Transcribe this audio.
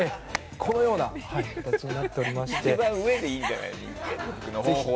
このような形になっていまして一番上でいいじゃない。